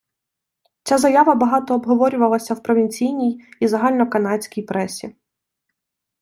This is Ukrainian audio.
Ця заява багато обговорювалася в провінційній і загальноканадській пресі.